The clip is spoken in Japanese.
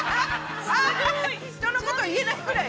◆人のこと言えないぐらい。